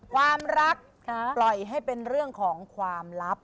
ความรักปล่อยให้เป็นเรื่องของความลับ